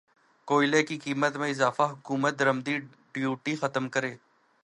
کوئلے کی قیمت میں اضافہ حکومت درمدی ڈیوٹی ختم کرے